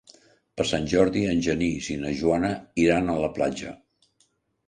Per Sant Jordi en Genís i na Joana iran a la platja.